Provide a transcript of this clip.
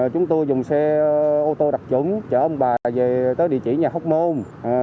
chúng tôi dùng xe ô tô đặc trủng chở ông bà về tới địa chỉ nhà hóc môn